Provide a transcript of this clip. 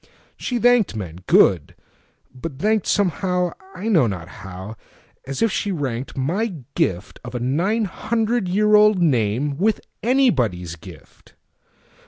She thanked men,—good! but thankedSomehow—I know not how—as if she rankedMy gift of a nine hundred years old nameWith anybody's gift.